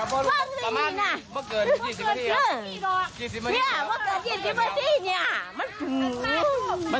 เมื่อเกิน๒๐นาทีเนี่ยมันสูง